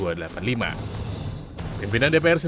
tengah melakukan pembahasan soal penghinaan terhadap presiden